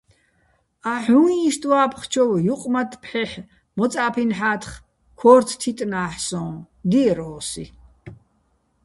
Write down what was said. "აჰ̦ უ̂ჼ იშტ ვა́ფხჩოვ ჲუყმათთ ფჰ̦ეჰ̦ მოწა́ფინ ჰ̦ა́თხ ქო́რთო̆ თიტნა́ჰ̦ სო́ჼ" - დიერ ოსი.